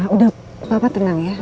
udah papa tenang ya